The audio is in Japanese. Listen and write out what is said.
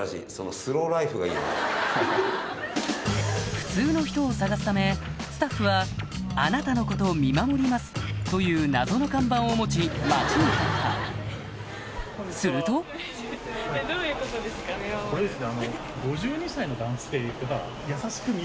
普通の人を探すためスタッフは「あなたの事、見守ります。」という謎の看板を持ち街に立ったするとこれですね。